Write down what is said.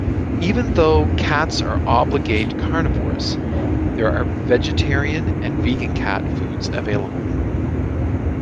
Even though cats are obligate carnivores, there are vegetarian and vegan cat foods available.